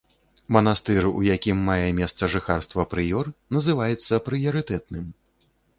Манастыр, у якім мае месца жыхарства прыёр, называецца прыярытэтным.